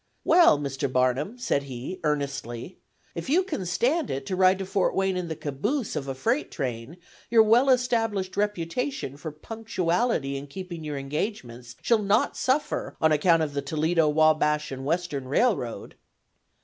"Well, Mr. Barnum," said he, earnestly, "if you can stand it to ride to Fort Wayne in the caboose of a freight train, your well established reputation for punctuality in keeping your engagements shall not suffer on account of the Toledo, Wabash and Western Railroad."